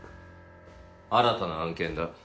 新たな案件だ。